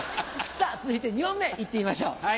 さぁ続いて２問目いってみましょう。